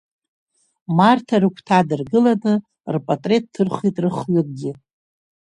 Марҭа рыгәҭа дыргыланы рпатреҭ ҭырхит рыхҩыкгьы.